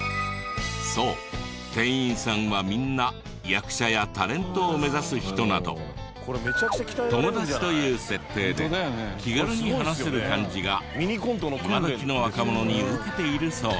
そう店員さんはみんな役者やタレントを目指す人など友だちという設定で気軽に話せる感じが今どきの若者に受けているそうで。